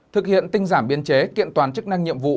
thực hiện tinh giảm biên chế kiện toàn chức năng nhiệm vụ